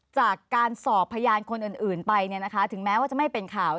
จากการสอบพยานคนอื่นไปถึงแม้ว่าจะไม่เป็นข่าว